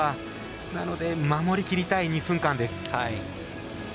なので守りきりたい２分間です。